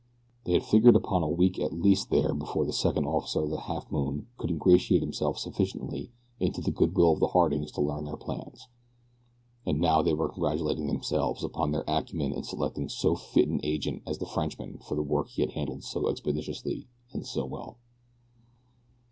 They had figured upon a week at least there before the second officer of the Halfmoon could ingratiate himself sufficiently into the goodwill of the Hardings to learn their plans, and now they were congratulating themselves upon their acumen in selecting so fit an agent as the Frenchman for the work he had handled so expeditiously and so well.